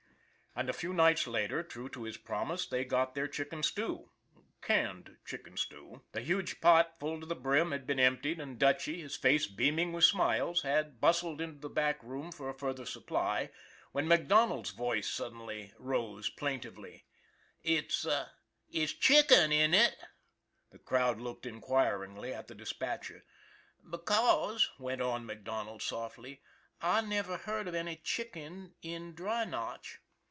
And a few nights later, true to his promise, they got their chicken stew canned chicken stew. The huge pot, full to the brim, had been emptied, and Dutchy, his face beaming with smiles, had bustled into the back room for a further supply, when Mac Donald's voice rose plaintively: " It's it's chicken, isn't it? " The crowd looked inquiringly at the dispatcher. " Because," went on MacDonald softly, " I never heard of any chickens in Dry Notch."